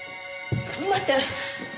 待って！